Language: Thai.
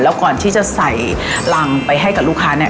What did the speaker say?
แล้วก่อนที่จะใส่รังไปให้กับลูกค้าเนี่ย